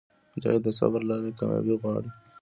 مجاهد د صبر له لارې کاميابي غواړي.